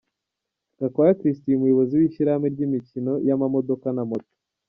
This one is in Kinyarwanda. Gakwaya Christian Umuyobozi w’Ishyirahamwe ry’imikino y’amamodoka na moto.